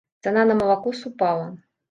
Цана на малако супала.